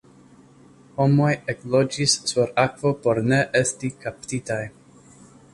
Homoj ekloĝis sur akvo por ne esti kaptitaj.